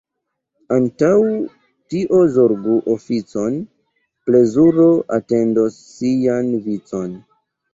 Antaŭ ĉio zorgu oficon, — plezuro atendos sian vicon.